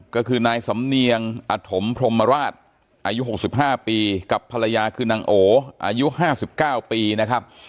ก็คือนายสำเนียงอธมพรมราชอายุ๖๕ปีกับภรรยาคือนางโออายุ๕๙ปีนะครับ